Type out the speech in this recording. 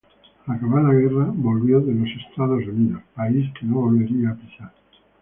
Al acabar la guerra, volvió a Estados Unidos, país que no volvería a pisar.